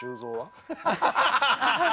「ハハハハッ！」